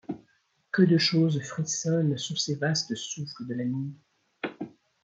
Que de choses frissonnent sous ces vastes souffles de la nuit !